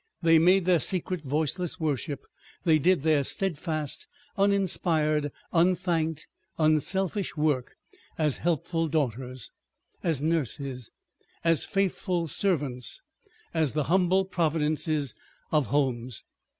They made their secret voiceless worship, they did their steadfast, uninspired, unthanked, unselfish work as helpful daughters, as nurses, as faithful servants, as the humble providences of homes.